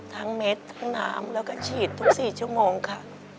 เม็ดทั้งน้ำแล้วก็ฉีดทุก๔ชั่วโมงค่ะ